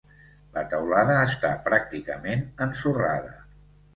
La teulada està pràcticament ensorrada.